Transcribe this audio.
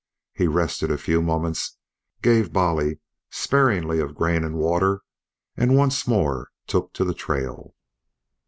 He rested a few moments, gave Bolly sparingly of grain and water, and once more took to the trail.